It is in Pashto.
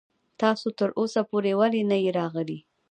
تاسو تر اوسه پورې ولې نه يې راغلی.